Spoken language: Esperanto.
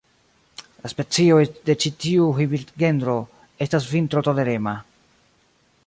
La specioj de ĉi tiu hibridgenro estas vintrotolerema.